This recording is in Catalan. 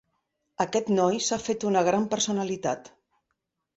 Aquest noi s'ha fet una gran personalitat.